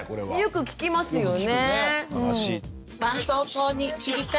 よく聞きますよね。